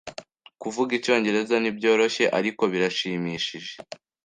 Kuvuga Icyongereza ntibyoroshye, ariko birashimishije.